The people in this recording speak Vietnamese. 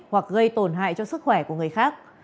hoặc gây tổn hại cho sức khỏe của người khác